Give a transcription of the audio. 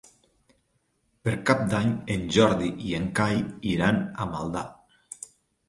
Per Cap d'Any en Jordi i en Cai iran a Maldà.